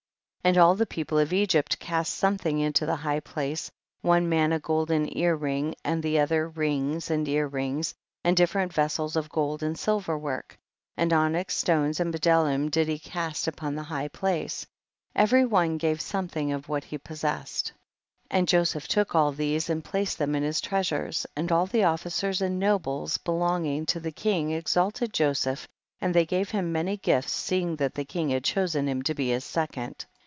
34. And all the people of Egypt cast something into the high place, one man a golden ear ring, and the other rings and ear rings, and ditfer ent vessels of gold and silver work, and onyx stones and bdellium did he cast upon the high place ; every one gave something of what he possessed. 35. And Joseph took all these and placed them in his treasures, and all the officers and nobles belong ing to the king exalted Joseph, and they gave him many gifts, seeing that the king had chosen him to be his second.